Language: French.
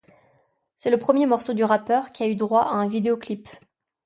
C'est le premier morceau du rappeur qui a eu droit à un vidéoclip.